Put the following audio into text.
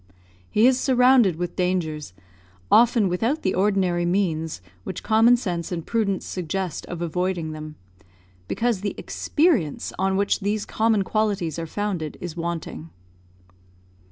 He is surrounded with dangers, often without the ordinary means which common sense and prudence suggest of avoiding them, because the experience on which these common qualities are founded is wanting.